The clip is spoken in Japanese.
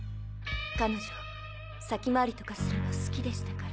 彼女先回りとかするの好きでしたから。